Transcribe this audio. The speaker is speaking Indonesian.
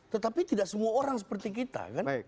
tetapi tidak semua orang seperti kita kan